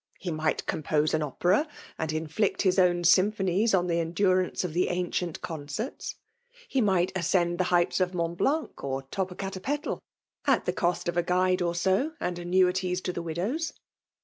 He might compose an a|ieffa» nnd inflict his own symphonies on the endnranee of the Ancient Coneerts. He might asaend the heights of Mont BIane> or Topoea tefctlr ftt the cost of a guide or so, and ansni ties to the widows.